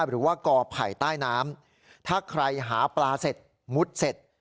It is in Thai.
หรือว่ากอไผ่ใต้น้ำถ้าใครหาปลาเสร็จมุดเสร็จ